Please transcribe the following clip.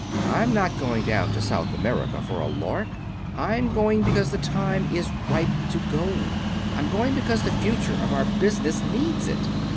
I'm not going down to South America for a lark. I'm going because the time is ripe to go. I'm going because the future of our business needs it.